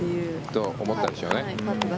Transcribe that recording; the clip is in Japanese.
と、思ったでしょうね。